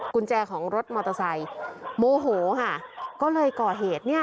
กุญแจของรถมอเตอร์ไซค์โมโหค่ะก็เลยก่อเหตุเนี่ย